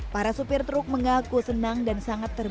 para sopir truk mengaku senang dan sangat terbangun